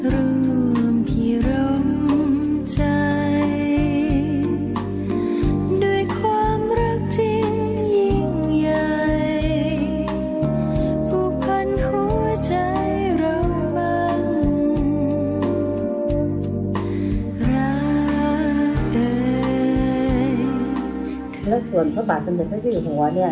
แล้วส่วนพระบาทสังเกตว่าพระพราชินาทน์ที่อยู่หัวเนี่ย